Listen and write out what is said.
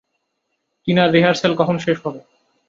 টিনার রিহার্সেল কখন শেষ হবে?